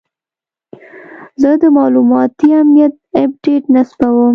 زه د معلوماتي امنیت اپډیټ نصبوم.